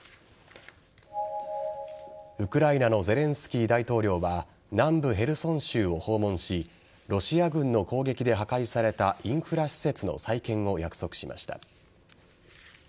ウクライナのゼレンスキー大統領は南部・ヘルソン州を訪問しロシア軍の攻撃で破壊されたインフラ施設の再建を約束しました。